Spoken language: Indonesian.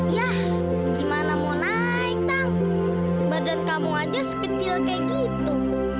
yah gimana mau naik nang badan kamu aja sekecil kayak gitu